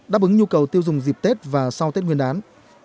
đáp ứng nhu cầu tiêu dùng dịp tết và sau tết nguyên đán